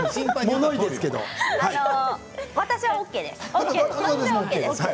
私はＯＫです。